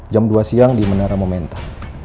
jam dua siang di menara momentum